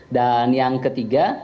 dan yang ketiga